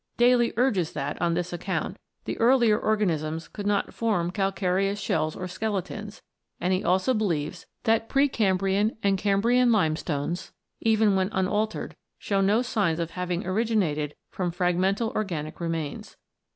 Daly urges that, on this account, the earlier organisms could not form calcareous shells or skeletons, and he also believes that pre Cambrian and Cambrian limestones, even when unaltered, show no signs of having originated from fragmental organic remains.